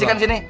asik kan sini